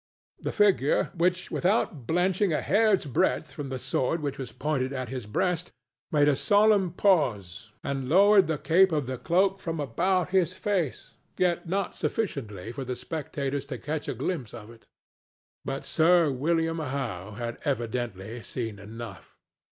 The figure, without blenching a hair's breadth from the sword which was pointed at his breast, made a solemn pause and lowered the cape of the cloak from about his face, yet not sufficiently for the spectators to catch a glimpse of it. But Sir William Howe had evidently seen enough.